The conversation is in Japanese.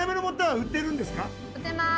売ってます。